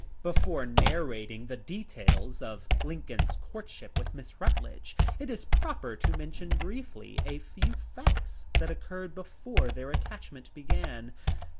" Before narrating the details of Lincoln's courtship with Miss Rutledge, it is proper to mention briefly a few facts that occurred before their attachment be gan.